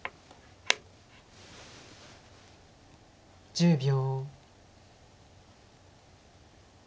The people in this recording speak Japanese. １０秒。